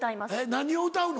何を歌うの？